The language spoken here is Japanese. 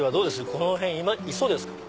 この辺いそうですか？